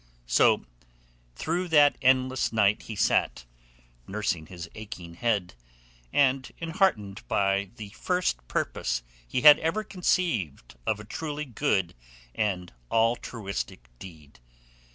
So through that endless night he sat, nursing his aching head, and enheartened by the first purpose he had ever conceived of a truly good and altruistic deed.